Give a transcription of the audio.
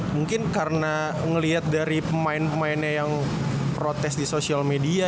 mungkin karena melihat dari pemain pemainnya yang protes di sosial media